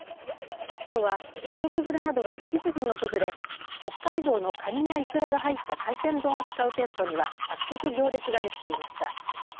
きょうは家族連れなどが次々に訪れ北海道のカニやイクラが入った海鮮丼を扱う店舗には早速、行列ができていました。